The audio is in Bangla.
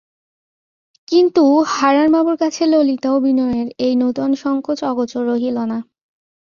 কিন্তু হারানবাবুর কাছে ললিতা ও বিনয়ের এই নূতন সংকোচ অগোচর রহিল না।